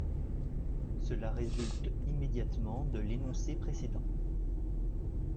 Cela résulte immédiatement de l'énoncé précédent.